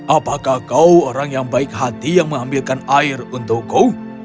apakah kau orang yang baik hati yang mengambilkan air untukku